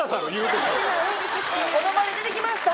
この場で出てきました！